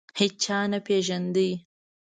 هیچا نه پېژاند.